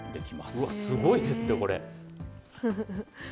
うわっ、すごいですね、これ。